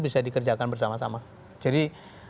bisa dikerjakan bersama sama jadi